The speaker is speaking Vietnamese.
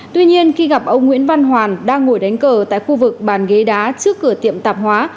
tuy nhiên khi gặp ông nguyễn văn hoàn đang ngồi đánh cờ tại khu vực bàn ghế đá trước cửa tiệm tạp hóa